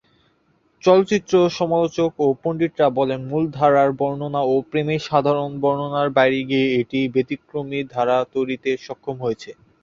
চলচ্চিত্র সমালোচক ও পণ্ডিতরা বলেন, মূলধারার বর্ণনা ও প্রেমের সাধারণ বর্ণনার বাইরে গিয়ে এটি ব্যতিক্রমী ধারা তৈরিতে সক্ষম হয়েছে।